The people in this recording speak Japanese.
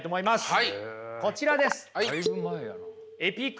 はい。